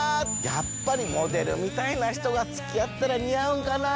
やっぱりモデルみたいな人がつきあったら似合うんかな